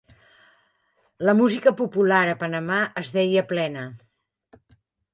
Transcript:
La música popular a Panamà es deia plena.